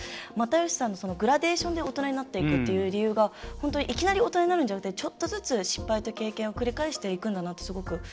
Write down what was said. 又吉さんのグラデーションで大人になっていくっていう理由がいきなり大人になるんじゃなくてちょっとずつ失敗と経験を繰り返していくんだなと、すごく。